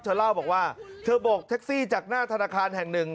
เล่าบอกว่าเธอโบกแท็กซี่จากหน้าธนาคารแห่งหนึ่ง